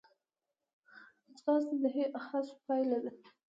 ځغاسته د هڅو پایله ده